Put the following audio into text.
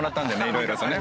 色々とね。